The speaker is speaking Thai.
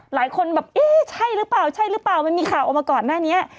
หลายคนแบบเอ๊ะใช่หรือเปล่ามันมีข่าวออกมาก่อนหน้านี้